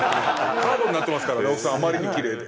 カードになってますからね奥さんあまりにキレイで。